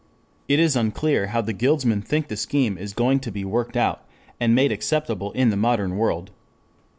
It is unclear how the guildsmen think the scheme is going to be worked out and made acceptable in the modern world.